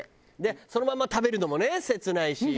そのまま食べるのもね切ないし。